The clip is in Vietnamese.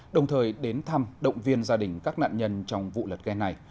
đồng thời đến thăm động viên gia đình các nạn nhân trong vụ lật ghe này